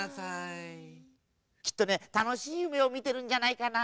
きっとねたのしいゆめをみてるんじゃないかな。